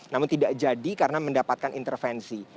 namun tidak jadi karena mendapatkan intervensi